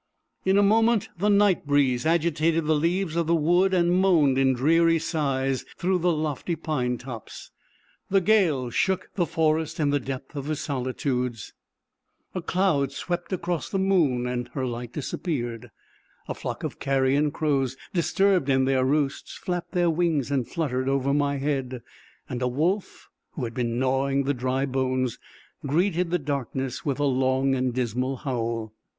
In a moment, the night breeze agitated the leaves of the wood and moaned in dreary sighs through the lofty pine tops; the gale shook the forest in the depth of its solitudes: a cloud swept across the moon, and her light disappeared; a flock of carrion crows disturbed in their roosts, flapped their wings and fluttered over my head; and a wolf, who had been knawing the dry bones, greeted the darkness with a long and dismal howl.